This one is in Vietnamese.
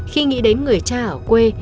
khi nghĩ đến người cha ở quê